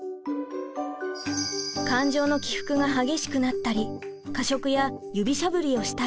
感情の起伏が激しくなったり過食や指しゃぶりをしたり。